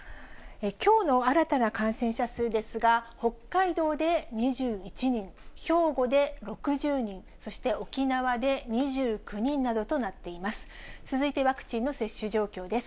きょうの新たな感染者数ですが、北海道で２１人、兵庫で６０人、そして沖縄で２９人などとなっています。